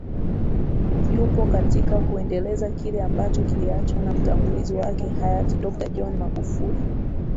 Yupo katika kuendeleza kile ambacho kiliachwa na mtangulizi wake hayati Dokta John Magufuli